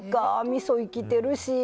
みそ生きてるし。